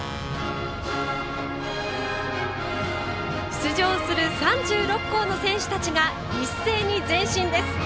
出場する３６校の選手たちが一斉に前進です。